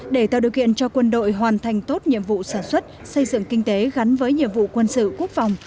để tạo điều kiện cho quân đội hoàn thành tốt nhiệm vụ sản xuất xây dựng kinh tế gắn với nhiệm vụ quân sự quốc phòng